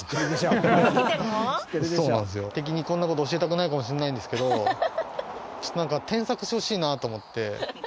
敵にこんなこと教えたくないかもしれないんですけど、ちょっとなんか、添削してほしいなと思って。